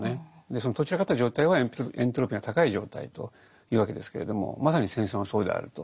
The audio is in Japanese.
そのとっ散らかった状態はエントロピーが高い状態というわけですけれどもまさに戦争がそうであると。